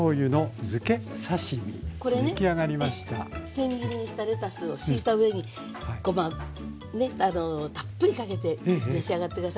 せん切りにしたレタスを敷いた上にごまねたっぷりかけて召し上がって下さい。